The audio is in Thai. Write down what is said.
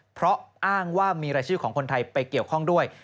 เพราะอ้างว่ามีรายชื่อของคนไทยไปเกี่ยวข้องด้วย